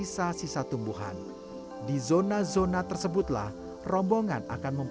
ketika adaodia pet message berkat di fiction jasa hidup